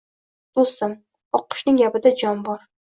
– Do‘stim, oqqushning gapida jon bor